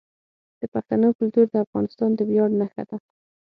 د پښتنو کلتور د افغانستان د ویاړ نښه ده.